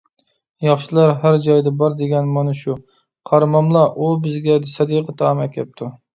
ياخشىلار ھەر جايدا بار، دېگەن مانا شۇ، قارىماملا، ئۇ بىزگە سەدىقە تائام ئەكەپتۇ!